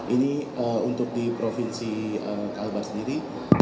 ini untuk di provinsi kalbar sendiri